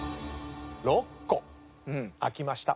６個開きました。